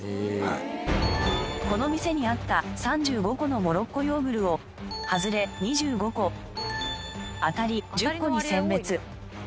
この店にあった３５個のモロッコヨーグルをはずれ２５個あたり１０個に選別。